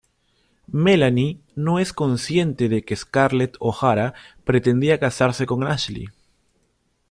Melanie no es consciente de que Scarlett O'Hara pretendía casarse con Ashley.